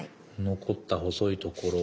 残った細いところを。